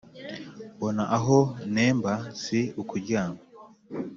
mbona aho ntemba si ukuryama